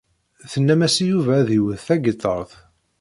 Tennam-as i Yuba ad iwet tagiṭart.